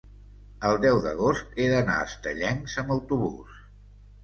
El deu d'agost he d'anar a Estellencs amb autobús.